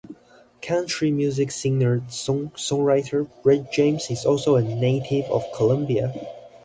Country music singer-songwriter Brett James is also a native of Columbia.